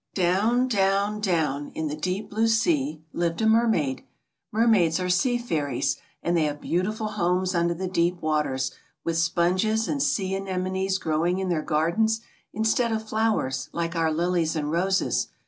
Down, down, down in the deep blue sea lived a mermaid. Mermaids are sea fairies, and they have beautiful homes under the deep waters, with sponges and sea anemones growing in their gardens, instead of flowers like our lilies and roses.